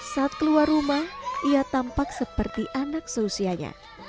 saat keluar rumah ia tampak seperti anak seusianya